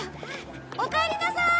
おかえりなさい！